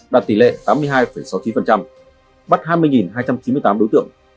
đạt tỷ lệ tám mươi hai sáu mươi chín bắt hai mươi hai trăm chín mươi tám đối tượng